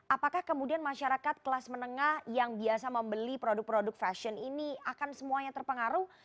apakah kemudian masyarakat kelas menengah yang biasa membeli produk produk fashion ini akan semuanya terpengaruh